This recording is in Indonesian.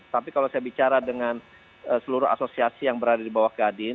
tapi kalau saya bicara dengan seluruh asosiasi yang berada di bawah gadin